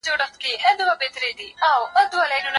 دولت وساته.